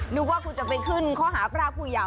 นึกว่าคุณจะไปขึ้นข้อหาพรากผู้ยาว